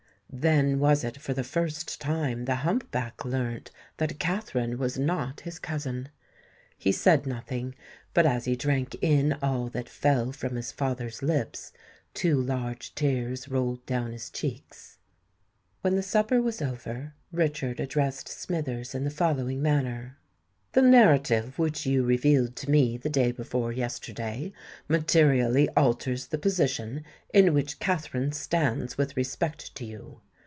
Then was it for the first time the hump back learnt that Katherine was not his cousin. He said nothing; but, as he drank in all that fell from his father's lips, two large tears rolled down his cheeks. When the supper was over, Richard addressed Smithers in the following manner:— "The narrative which you revealed to me the day before yesterday materially alters the position in which Katherine stands with respect to you.